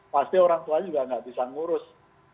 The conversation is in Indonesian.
pasti orang tua juga tidak bisa mengurus